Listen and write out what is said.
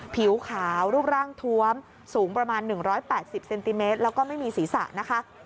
ผิวขาวรูปร่างทวมสูงประมาณ๑๘๐เซนติเมตรแล้วก็ไม่มีศีรษะนะคะ